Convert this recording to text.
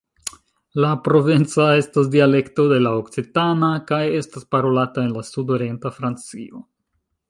La provenca estas dialekto de la okcitana, kaj estas parolata en la sudorienta Francio.